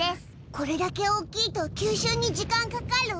これだけ大きいと吸収に時間かかる？